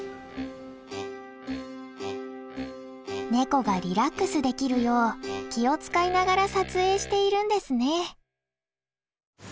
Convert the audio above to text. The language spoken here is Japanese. ネコがリラックスできるよう気を遣いながら撮影しているんですね。